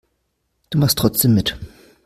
Du machst trotzdem mit.